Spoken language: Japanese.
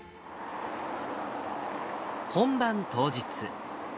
本番当日。